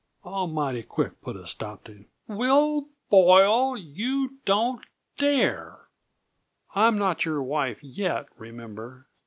I'll mighty quick put a stop to " "Will Boyle, you don't dare! I'm not your wife yet, remember!